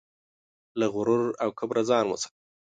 له غرور او کبره ځان وساته.